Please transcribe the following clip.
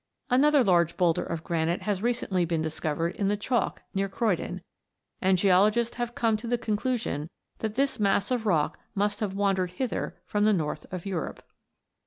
Another large boulder of granite has recently been discovered in the chalk near Croydon, and geologists have come to the con clusion that this mass of rock must have wandered hither from the North of Europe.